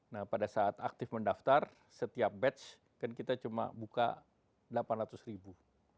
nah pada saat aktif mendaftar setiap batch kan kita cuma buka delapan ratus ribu